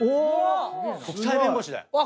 国際弁護士だよ。